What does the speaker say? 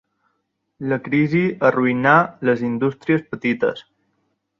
La crisi arruïnà les indústries petites.